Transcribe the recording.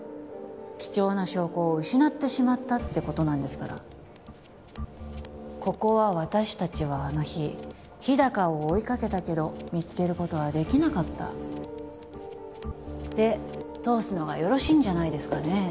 貴重な証拠を失ってしまったってことなんですからここは私達はあの日日高を追いかけたけど見つけることはできなかったで通すのがよろしいんじゃないですかね